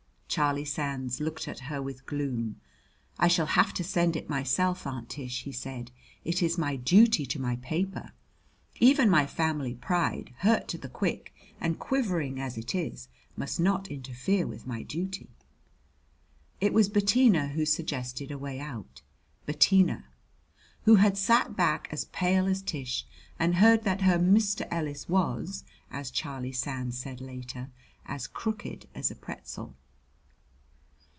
Charlie Sands looked at her with gloom. "I shall have to send it myself, Aunt Tish," he said; "it is my duty to my paper. Even my family pride, hurt to the quick and quivering as it is, must not interfere with my duty." It was Bettina who suggested a way out Bettina, who had sat back as pale as Tish and heard that her Mr. Ellis was, as Charlie Sands said later, as crooked as a pretzel.